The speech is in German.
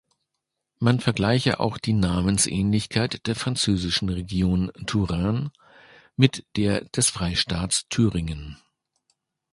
Man vergleiche auch die Namensähnlichkeit der französischen Region Touraine mit der des Freistaats Thüringen.